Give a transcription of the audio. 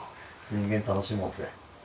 人間楽しもうぜ。